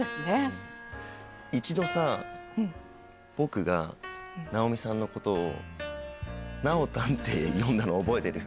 一度さ、僕が、直美さんのことを、なおたんって呼んだの覚えてる？